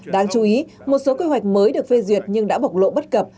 đáng chú ý một số quy hoạch mới được phê duyệt nhưng đã bộc lộ bất cập